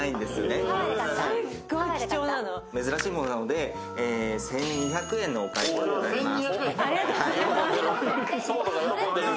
珍しいものなので１２００円のお買い取りとなります。